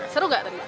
seru gak tadi